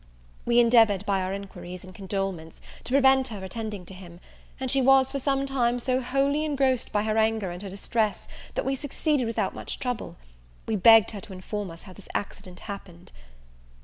We endeavoured, by our enquiries and condolements, to prevent her attending to him; and she was for some time so wholly engrossed by her anger and her distress, that we succeeded without much trouble. We begged her to inform us how this accident happened.